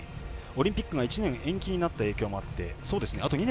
オリンピックが１年延期になった影響もあって。